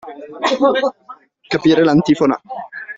Capire l'antifona.